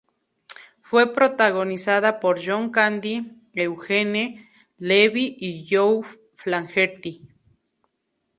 Fue protagonizada por John Candy, Eugene Levy y Joe Flaherty.